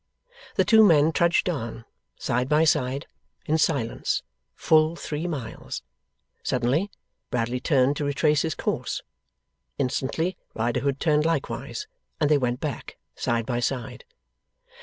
The two men trudged on, side by side, in silence, full three miles. Suddenly, Bradley turned to retrace his course. Instantly, Riderhood turned likewise, and they went back side by side.